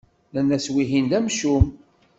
Nnan-as wihin d amcum.